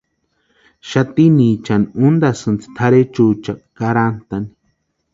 Xatiniechani untasïni tʼarhechuecha karhantani.